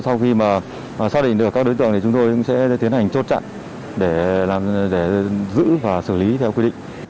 sau khi xác định được các đối tượng chúng tôi sẽ tiến hành chốt chặn để giữ và xử lý theo quy định